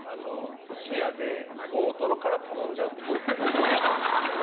寿司屋で大トロから頼んじゃうっぽい。